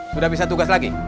sudah bisa tugas lagi